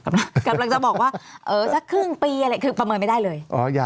กำลังจะบอกว่าสักครึ่งปีอะไรคือประเมินไม่ได้เลย